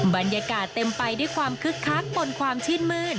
บรรยากาศเต็มไปด้วยความคึกคักบนความชื่นมื้น